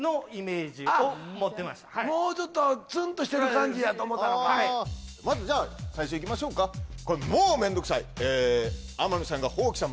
もうちょっとツンとしてる感じやと思ったのかまずじゃあ最初いきましょうか「もう面倒くさい！天海さんが放棄した」